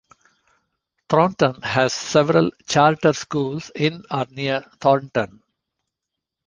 Thornton has several charter schools in or near Thornton.